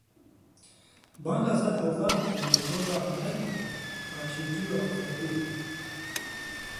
Banga sed hezaran li Newroza Amedê: Aştî û azadî